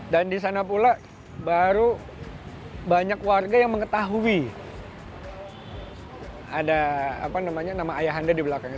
dan di sana pula baru banyak warga yang mengetahui ada apa namanya nama ayah anda di belakangnya